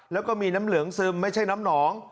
แล้วก็มีน้ำเหลืองซึมไม่ใช่น้ำหนอง